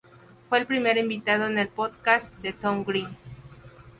Fue el primer invitado en el podcast de Tom Green.